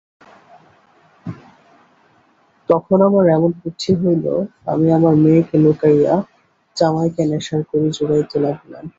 তখন আমার এমন বুদ্ধি হইল আমি আমার মেয়েকে লুকাইয়া জামাইকে নেশার কড়ি জোগাইতে লাগিলাম।